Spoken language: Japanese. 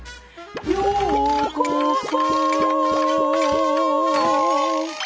「ようこそ」